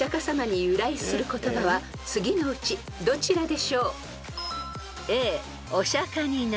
［次のうちどちらでしょう］